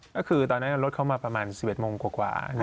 ก็คือตอนนั้นรถเข้ามาประมาณ๑๑โมงกว่า